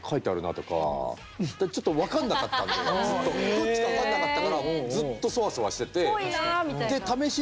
どっちか分かんなかったからずっとソワソワしてて。